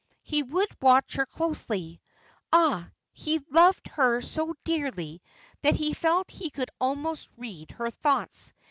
He would watch her closely. Ah! he loved her so dearly that he felt he could almost read her thoughts.